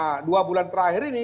nah dua bulan terakhir ini